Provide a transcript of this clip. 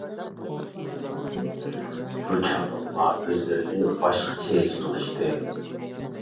بۇ چاغدا ئۇلار ئۆزلىرىنى باشقىچە ھېس قىلىشتى.